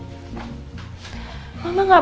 mama gak mau ke rumah sakit